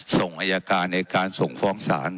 ส่งอายการและส่งของสาร